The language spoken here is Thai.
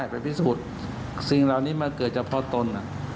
ไปพิสูจน์สิ่งเหล่านี้มันเกิดเฉพาะตน